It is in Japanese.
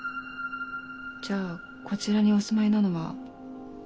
じゃあこちらにお住まいなのは。